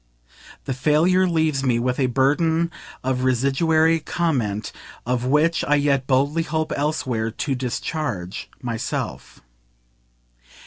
The failure leaves me with a burden of residuary comment of which I yet boldly hope elsewhere to discharge myself.